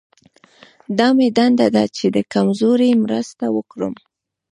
دا مې دنده ده چې د کمزوري مرسته وکړم.